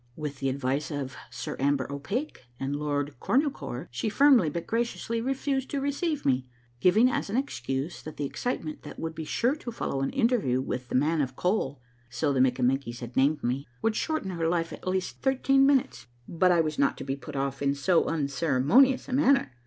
With the advice of Sir Amber O'Pake and Lord Cornucore she firmly but graciously refused to receive me, giving as an excuse that the excitement that would be sure to follow an interview with the "Man of Coal "— so the Mikkamenkies had named me — would shorten her life at least thirteen minutes. But I was not to be put off in so unceremonious a manner.